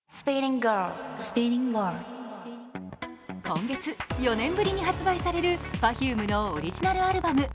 今月、４年ぶりに発売されるＰｅｒｆｕｍｅのオリジナルアルバム。